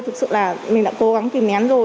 thực sự là mình đã cố gắng tìm nén rồi